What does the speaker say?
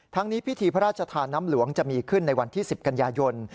นี้พิธีพระราชทานน้ำหลวงจะมีขึ้นในวันที่๑๐กันยายน